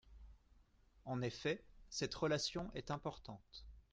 En effet, cette relation est importante.